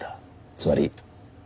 つまり。